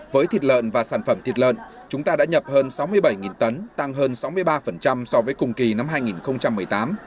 với thịt lợn và sản phẩm thịt lợn chúng ta đã nhập hơn sáu mươi bảy tấn tăng hơn sáu mươi ba so với cùng kỳ năm hai nghìn một mươi tám